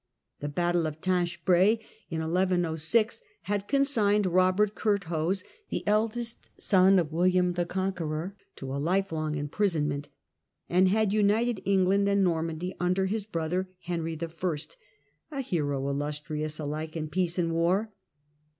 The battle of Tinchebrai, in 1106, had consigned Eobert Curthose, the eldest son of William the Conqueror, to a lifelong imprisonment, and had united England and Normandy under his brother Henry I., " a hero illustrious alike in peace and war."